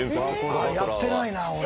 やってないな俺。